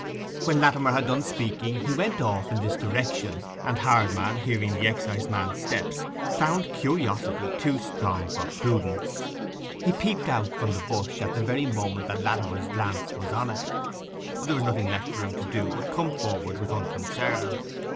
When Latimer had done speaking he went on in this direction, and Hardman, hearing the exciseman's steps, found curiosity too strong for prudence. He peeped out from the bush at the very moment that Latimer's glance was on it. There was nothing left for him to do but to come forward with unconcern.